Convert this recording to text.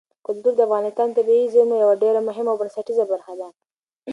کلتور د افغانستان د طبیعي زیرمو یوه ډېره مهمه او بنسټیزه برخه ده.